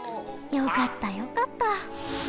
よかったよかった！